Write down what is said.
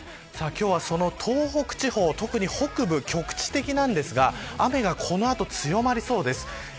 今日は東北地方特に北部、局地的ですが雨がこの後、強まりそうです。